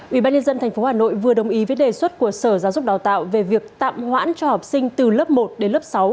ubnd tp hà nội vừa đồng ý với đề xuất của sở giáo dục đào tạo về việc tạm hoãn cho học sinh từ lớp một đến lớp sáu